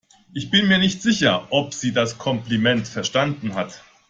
Ich bin mir nicht sicher, ob sie das Kompliment verstanden hat.